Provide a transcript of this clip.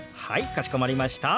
かしこまりました。